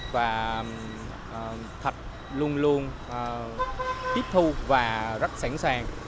và thạch luôn luôn tiếp thu và rất sẵn sàng